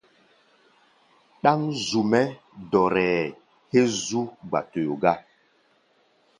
Ɗáŋ zu-mɛ́ dɔrɛɛ héé zú gba-toyo gá.